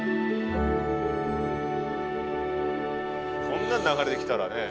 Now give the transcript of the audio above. こんなん流れてきたらね。